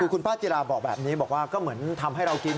คุณป้าจิราบอกแบบนี้บอกว่าก็เหมือนทำให้เรากิน